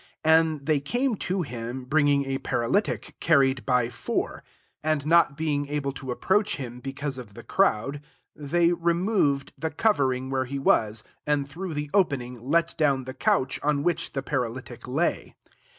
S And they came to him, bringing a paralytic, carried by Tour. 4 And not being able to approach him, because of the crowd, they removed the cover ing where he was : and through the opening, let down the couch in which the paralytic lay.